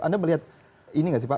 anda melihat ini nggak sih pak